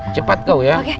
cepet kau ya